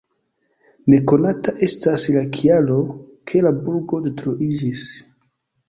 Nekonata estas la kialo, ke la burgo detruiĝis.